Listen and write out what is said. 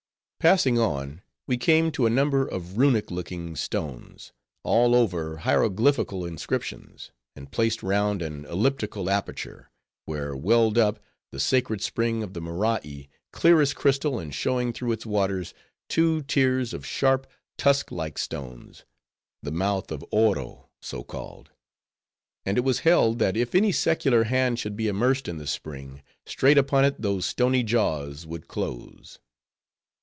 Passing on, we came to a number of Runic looking stones, all over hieroglyphical inscriptions, and placed round an elliptical aperture; where welled up the sacred spring of the Morai, clear as crystal, and showing through its waters, two tiers of sharp, tusk like stones; the mouth of Oro, so called; and it was held, that if any secular hand should be immersed in the spring, straight upon it those stony jaws would close.